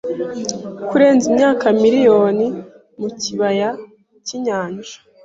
kurenza imyaka miliyoni mukibaya cyinyanja